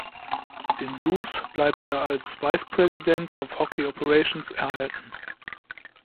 Den Blues bleibt er als Vice President of Hockey Operations erhalten.